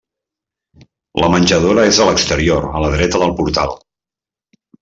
La menjadora és a l'exterior a la dreta del portal.